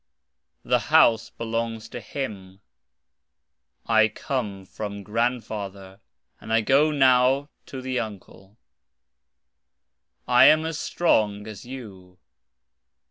The house belongs to him. I come from (the) grandfather, and I go now to (the) uncle. I am as strong as you.